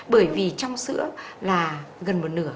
bởi vì trong sữa là gần một nửa